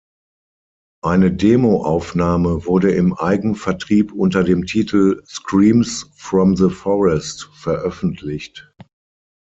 Eine Demoaufnahme wurde im Eigenvertrieb unter dem Titel "Screams from the Forest" veröffentlicht.